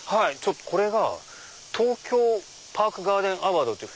これが東京パークガーデンアワードっていう。